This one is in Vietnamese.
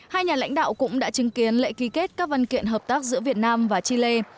hai nhà lãnh đạo cũng đã chứng kiến lễ ký kết các văn kiện hợp tác giữa việt nam và chile